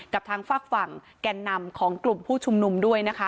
กับทางฝากฝั่งแก่นนำของกลุ่มผู้ชุมนุมด้วยนะคะ